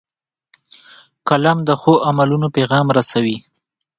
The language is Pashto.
قلم د ښو عملونو پیغام رسوي